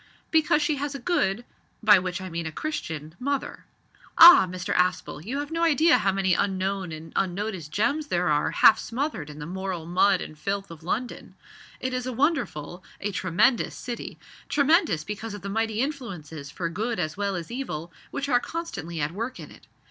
"Because she has a good by which I mean a Christian mother. Ah! Mr Aspel, you have no idea how many unknown and unnoticed gems there are half smothered in the moral mud and filth of London. It is a wonderful a tremendous city; tremendous because of the mighty influences for good as well as evil which are constantly at work in it.